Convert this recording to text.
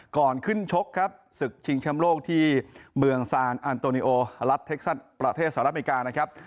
ก่อนขึ้นชกครับศึกชิงแชมป์โลกที่เมืองซานอันโตนิโอรัฐเท็กซัสประเทศสหรัฐอเมริกานะครับ